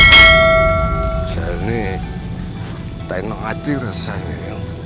saya ini tidak ingin mengerti rasanya